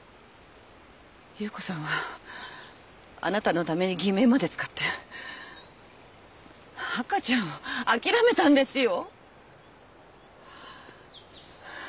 夕子さんはあなたのために偽名まで使って赤ちゃんをあきらめたんですよ！